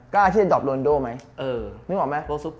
กล้าที่จะดอปโรนโด่ไหม